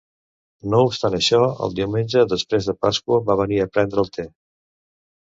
No obstant això, el diumenge després de Pasqua va venir a prendre el te.